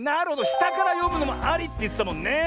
したからよむのもありってやつだもんね。